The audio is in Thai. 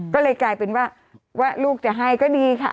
ก็เลยกลายเป็นว่าลูกจะให้ก็ดีค่ะ